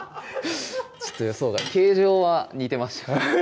形状は似てました